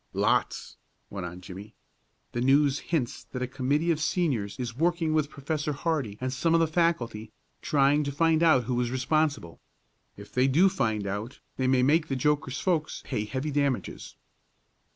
"Lots," went on Jimmie. "The News hints that a committee of Seniors is working with Professor Hardee and some of the faculty, trying to find out who was responsible. If they do find out they may make the joker's folks pay heavy damages."